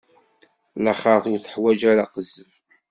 Laxert ur teḥwaǧ ara aqezzeb.